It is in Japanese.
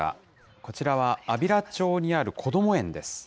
こちらは安平町にあるこども園です。